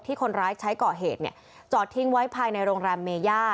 คนร้ายใช้ก่อเหตุจอดทิ้งไว้ภายในโรงแรมเมย่า